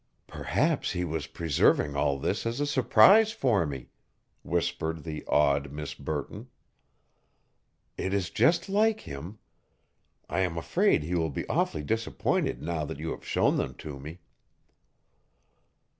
"Perhaps he was preserving all this as a surprise for me," whispered the awed Miss Burton. "It is just like him. I am afraid he will be awfully disappointed now that you have shown them to me."